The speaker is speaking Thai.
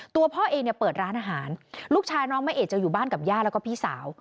พ่อเองเนี่ยเปิดร้านอาหารลูกชายน้องแม่เอกจะอยู่บ้านกับย่าแล้วก็พี่สาว